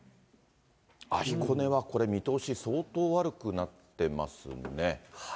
あっ、彦根はこれ、見通し相当悪くなってますね。